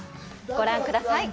ご覧ください